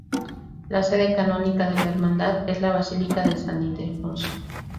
La sede canónica de la hermandad es la Basílica de San Ildefonso.